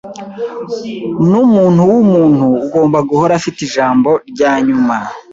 numuntu wumuntu ugomba guhora afite ijambo ryanyuma.